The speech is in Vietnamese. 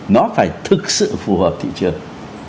nó phải thực sự phù hợp thị trường